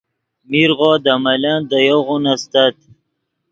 میرغو دے ملن دے یوغون استت